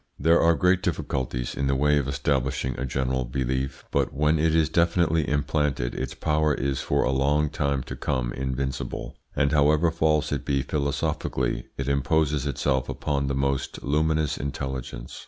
There are great difficulties in the way of establishing a general belief, but when it is definitely implanted its power is for a long time to come invincible, and however false it be philosophically it imposes itself upon the most luminous intelligence.